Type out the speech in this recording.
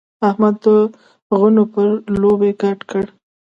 احمد د غنو پر لو پیل ګډ کړ.